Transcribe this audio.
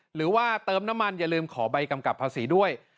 หรือว่าเติมน้ำมันอย่าลืมขอใบกำกับภาษีด้วย